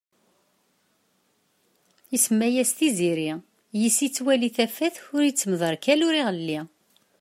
Isemma-yas Tiziri, yiss ittwali tafat. Ur ittemderkal ur iɣelli.